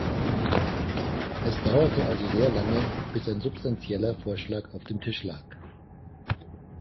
Es dauerte also sehr lange, bis ein substanzieller Vorschlag auf dem Tisch lag.